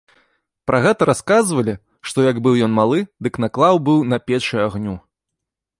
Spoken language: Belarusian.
Пра гэта расказвалі, што як быў ён малы, дык наклаў быў на печы агню.